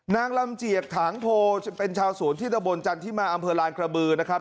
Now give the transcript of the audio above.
นางลำเจียกถางโพเป็นชาวสวนที่ตะบนจันทิมาอำเภอลานกระบือนะครับ